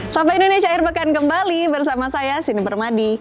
sampai indonesia akhir bekan kembali bersama saya sini bermadi